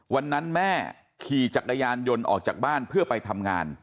วันนั้นแม่ขี่จักรยานยนต์ออกจากบ้านเพื่อไปทำงาน